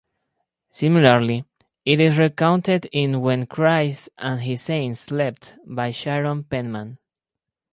Similarly, it is recounted in "When Christ and his Saints Slept" by Sharon Penman.